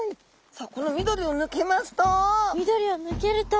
さあこの緑を抜けますと。